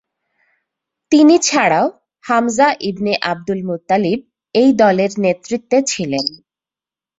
তিনি ছাড়াও Hamza ibn Abdul Muttalib এই দলের নেতৃত্বে ছিলেন।